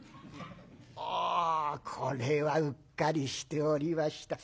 「ああこれはうっかりしておりました。